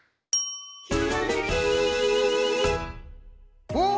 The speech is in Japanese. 「ひらめき」ん？